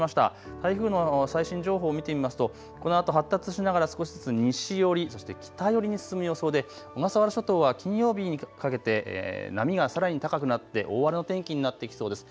台風の最新情報を見てみますとこのあと発達しながら少しずつ西寄り、そして北寄りに進む予想で小笠原諸島は金曜日にかけて波がさらに高くなって大荒れの天気になってきそうです。